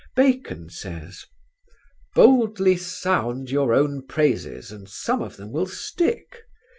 Bacon says: "'Boldly sound your own praises and some of them will stick.'...